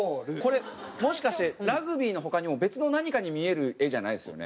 これもしかしてラグビーの他にも別の何かに見える絵じゃないですよね？